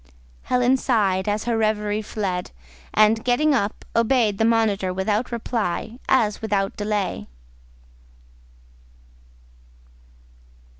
Helen sighed as her reverie fled, and getting up, obeyed the monitor without reply as without delay.